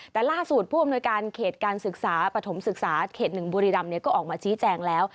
แต่ล่าสุดผู้อำนวยการเขตการศึกษาปฐมศึกษาเขต๑บุรีรำก็ออกมาชี้แจงแล้ว